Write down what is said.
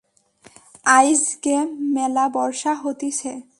আইজগে ম্যালা বর্ষা হতিছে।